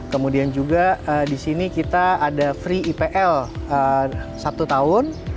kemudian juga di sini kita ada free ipl satu tahun